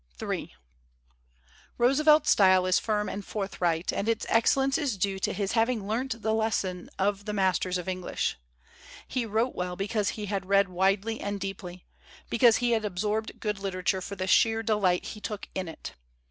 237 THEODORE ROOSEVELT AS A MAN OF LETTERS III ROOSEVELT'S style is firm and forthright; and its excellence is due to his having learnt the les son of the masters of English. He wrote well be cause he had read widely and deeply, because he had absorbed good literature for the sheer delight he took in it.